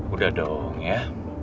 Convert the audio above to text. udah dong ya